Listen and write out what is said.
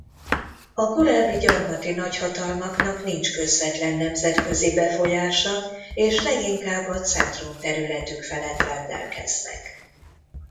A korábbi gyarmati nagyhatalmaknak nincs közvetlen nemzetközi befolyása és leginkább a centrumterületük felett rendelkeznek.